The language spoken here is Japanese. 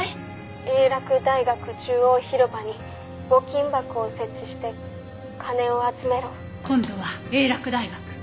「英洛大学中央広場に募金箱を設置して金を集めろ」今度は英洛大学。